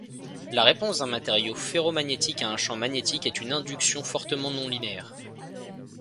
La réponse d’un matériau ferromagnétique à un champ magnétique est une induction fortement non-linéaire.